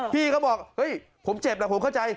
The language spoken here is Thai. พี่เขาบอกเฮ้ยผมเจ็บแล้วผมเข้าใจ